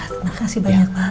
terima kasih banyak pak